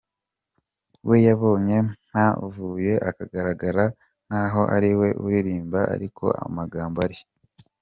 we yabonye mpavuye akagaragara nkaho ari we uririmba ariko amagambo ari.